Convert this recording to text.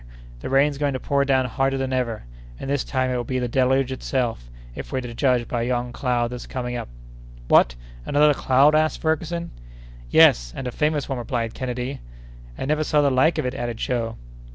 the rain's going to pour down harder than ever; and this time it will be the deluge itself, if we're to judge by yon cloud that's coming up!" "What! another cloud?" asked Ferguson. "Yes, and a famous one," replied Kennedy. "I never saw the like of it," added Joe.